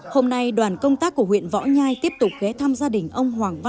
hôm nay đoàn công tác của huyện võ nhai tiếp tục ghé thăm gia đình ông hoàng văn